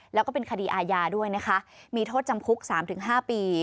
แล้วก็เป็นคดีอาญาด้วยนะคะมีโทษจำคุก๓๕ปี